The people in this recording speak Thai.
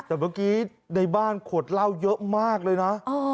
แต่เมื่อกี้ในบ้านขวดเหล้าเยอะมากเลยนะ